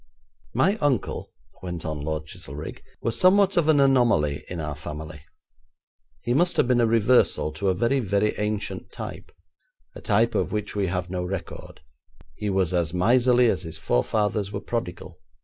'My uncle,' went on Lord Chizelrigg, 'was somewhat of an anomaly in our family. He must have been a reversal to a very, very ancient type; a type of which we have no record. He was as miserly as his forefathers were prodigal.